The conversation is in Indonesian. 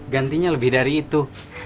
gantinya lebih dari itu